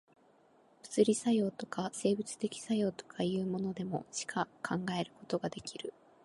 物理作用とか、生物的作用とかいうものでも、しか考えることができる。